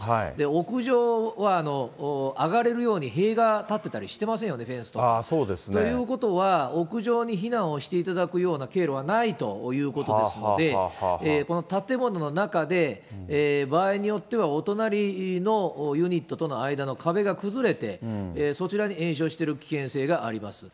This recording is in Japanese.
屋上は上がれるように塀が立ってたりしてませんよね、フェンスとか。ということは、屋上に避難をしていただくような経路はないということですので、この建物の中で、場合によってはお隣のユニットとの間の壁が崩れて、そちらにえんしょうしているきけんせいがあります。